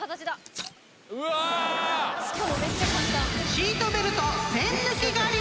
［シートベルト栓抜我流！］